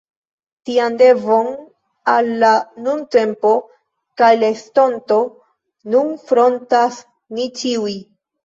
Tian devon, al la nuntempo kaj la estonto, nun frontas ni ĉiuj.